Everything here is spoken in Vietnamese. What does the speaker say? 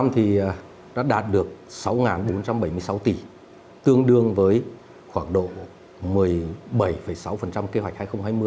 bộ giao thông vận tải đã đạt được sáu bốn trăm bảy mươi sáu tỷ tương đương với khoảng độ một mươi bảy sáu kế hoạch hai nghìn hai mươi